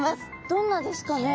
どんなですかね？